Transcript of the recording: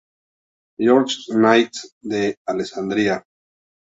George's Knights de Alessandria.